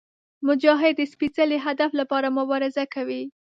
مجاهد د سپېڅلي هدف لپاره مبارزه کوي.